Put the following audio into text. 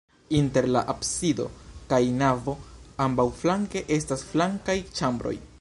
Inter la absido kaj navo ambaŭflanke estas flankaj ĉambroj.